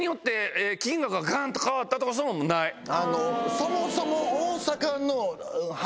そもそも。